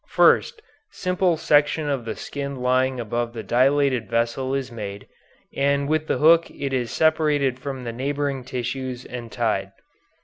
First, simple section of the skin lying above the dilated vessel is made, and with the hook it is separated from the neighboring tissues and tied.